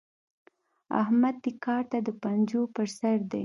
احمد دې کار ته د پنجو پر سر دی.